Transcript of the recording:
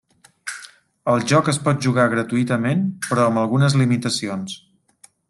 El joc es pot jugar gratuïtament, però amb algunes limitacions.